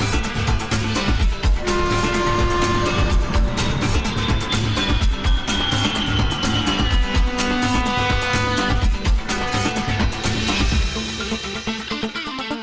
sampai jumpa satu jam mendatang